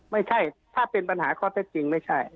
ไม่ใช่ถ้าเป็นปัญหาข้อเท็จจริงไม่ใช่